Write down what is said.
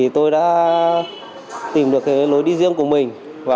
tôi đã tìm được lối đi riêng của mình